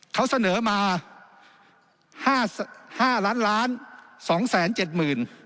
เขาเสนอมาห้าหรอห้าร้านล้านสองแซมเจ็ดหมื่น